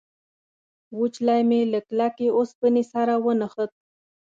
وچولی مې له کلکې اوسپنې سره ونښت.